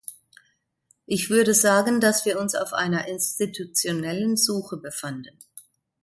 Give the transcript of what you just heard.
Ich würde sagen, dass wir uns auf einer institutionellen Suche befanden.